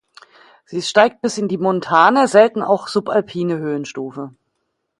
Sie steigt bis in die montane, selten auch subalpine Höhenstufe.